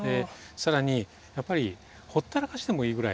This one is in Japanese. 更にやっぱりほったらかしでもいいぐらいなのでね。